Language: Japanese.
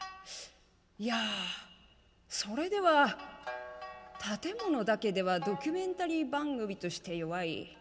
いやそれでは建物だけではドキュメンタリー番組として弱い。